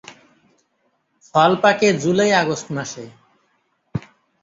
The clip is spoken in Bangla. ফল পাকে জুলাই-আগস্টে মাসে।